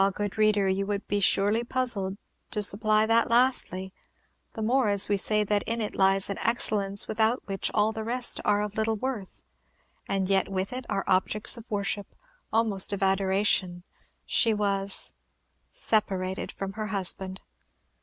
good reader, you would surely be puzzled to supply that "lastly," the more as we say that in it lies an excellence without which all the rest are of little worth, and yet with it are objects of worship, almost of adoration, she was separated from her husband!